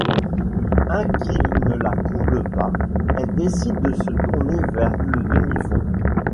Un qui ne la comble pas, elle décide de se tourner vers le demi-fond.